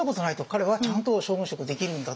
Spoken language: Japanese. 彼はちゃんと将軍職できるんだって。